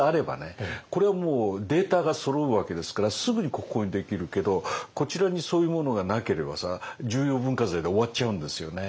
これはもうデータがそろうわけですからすぐに国宝にできるけどこちらにそういうものがなければさ重要文化財で終わっちゃうんですよね。